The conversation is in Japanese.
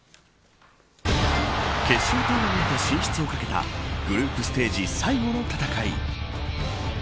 決勝トーナメント進出をかけたグループステージ最後の戦い。